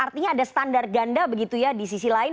artinya ada standar ganda di sisi lain